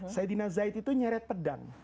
sayyidina zaid itu nyeret pedang